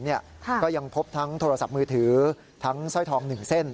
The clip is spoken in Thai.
ก็ยังพบทั้งโทรศัพท์มือถือทั้งสร้อยทอง๑เส้น